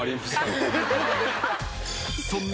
［そんな］